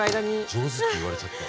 上手って言われちゃった。